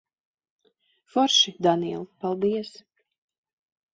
Forši, Daniel. Paldies.